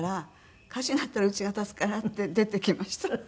歌手になったら家が建つからって出てきました。